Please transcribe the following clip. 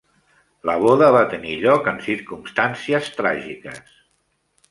La boda va tenir lloc en circumstàncies tràgiques.